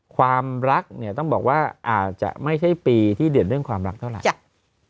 ความรักเนี่ยต้องบอกว่าอาจจะไม่ใช่ปีที่เด่นเรื่องความรักเท่าไหร่